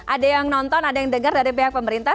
ada yang nonton ada yang dengar dari pihak pemerintah